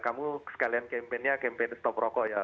kamu sekalian campaignnya campaign stop rokok ya